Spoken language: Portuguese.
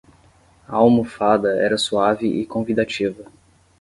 A almofada era suave e convidativa.